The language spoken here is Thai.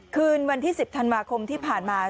คืนวันที่๑๐ธันวาคมที่ผ่านมา